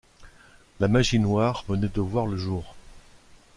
La Magie Noire venait de voir le jour.